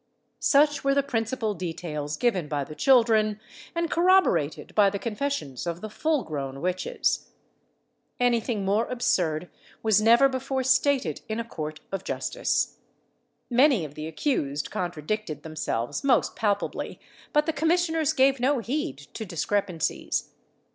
Such were the principal details given by the children, and corroborated by the confessions of the full grown witches. Any thing more absurd was never before stated in a court of justice. Many of the accused contradicted themselves most palpably; but the commissioners gave no heed to discrepancies.